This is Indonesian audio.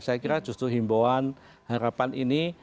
saya kira justru himbauan harapan ini